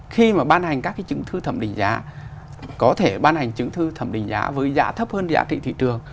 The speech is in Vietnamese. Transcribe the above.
khi mà ban hành các cái chứng thư thẩm định giá có thể ban hành chứng thư thẩm định giá với giá thấp hơn giá trị thị trường